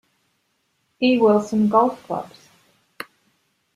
E. Wilson golf clubs.